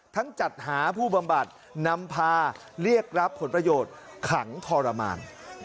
จัดหาผู้บำบัดนำพาเรียกรับผลประโยชน์ขังทรมาน